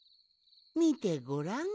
みてごらん。